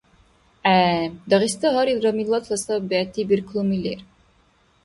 ГӀе, Дагъиста гьарилра миллатла саби бегӀти берклуми лер.